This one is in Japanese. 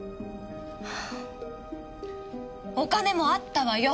お金もあったわよ。